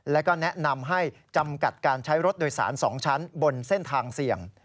แล้วก็แนะนำให้จำกัดการใช้รถโดยสาร๒ชั้นบนเส้นทางเสี่ยง